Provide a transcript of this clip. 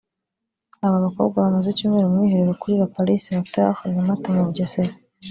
Aba bakobwa bamaze icyumweru mu mwiherero kuri La Palisse Hotel i Nyamata mu Bugesera